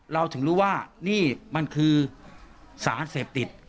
เราถึงรู้ว่านี่มันคือสารเสพติด